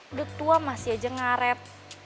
udah tua masih aja ngarep